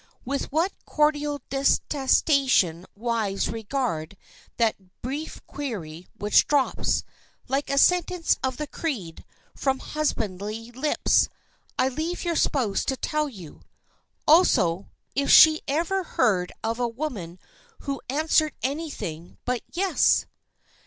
With what cordial detestation wives regard that brief query which drops, like a sentence of the Creed, from husbandly lips, I leave your spouse to tell you. Also, if she ever heard of a woman who answered anything but 'Yes!